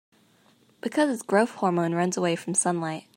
Because its growth hormone runs away from sunlight.